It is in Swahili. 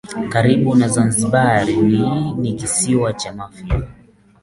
Karibu na Zanzibar ni kisiwa cha Mafia